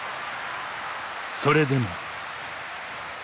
それでも。